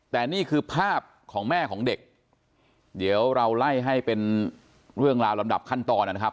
แต่นี่คือภาพของแม่ของเด็กเดี๋ยวเราไล่ให้เป็นเรื่องราวลำดับขั้นตอนนะครับ